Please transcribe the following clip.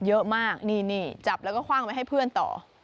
เยอะมากนี่จับแล้วก็คว่างไว้ให้เพื่อนต่อ